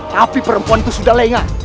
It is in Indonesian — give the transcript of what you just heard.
tapi perempuan itu sudah lengah